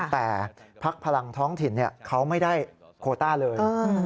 แต่พักพลังท้องถิ่นเขาไม่ได้โคต้าเลย